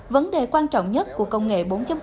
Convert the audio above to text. vấn đề quan trọng nhất của công nghệ bốn